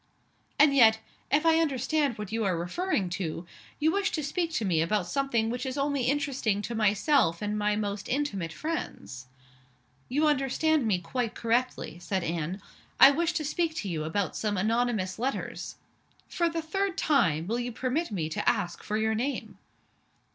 "And yet if I understand what you are referring to you wish to speak to me about something which is only interesting to myself and my most intimate friends." "You understand me quite correctly," said Anne. "I wish to speak to you about some anonymous letters " "For the third time, will you permit me to ask for your name?"